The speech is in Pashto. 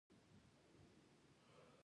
دا شمېر له یو سوه اتیا څخه شلو ته راټیټ شو